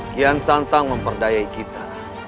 kian santang memperdayai kita